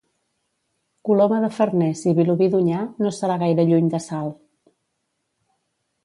Coloma de Farners i Vilobí d'Onyar, no serà gaire lluny de Salt.